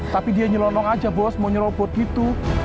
tapi dia nyelonong aja bos mau nyerobot gitu